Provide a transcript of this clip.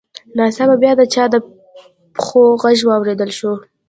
ناڅاپه بیا د چا د پښو غږ واورېدل شو